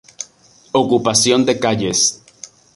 Ocupación de calles.